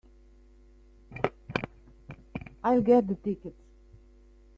I'll get the tickets.